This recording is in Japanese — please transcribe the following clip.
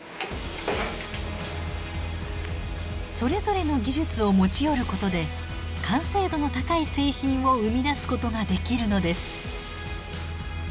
それぞれの技術を持ち寄ることで完成度の高い製品を生み出すことができるのです。